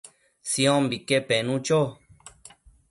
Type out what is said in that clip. Siombique penu cho